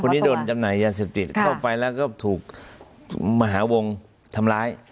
นี้โดนจำหน่ายยาเสพติดเข้าไปแล้วก็ถูกมหาวงทำร้าย